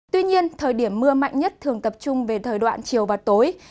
tuy nhiên thời điểm mưa mạnh nhất thường tập trung về thời đoạn chiều và tối